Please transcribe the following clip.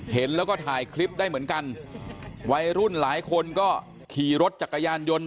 เห็นแล้วก็ถ่ายคลิปได้เหมือนกันวัยรุ่นหลายคนก็ขี่รถจักรยานยนต์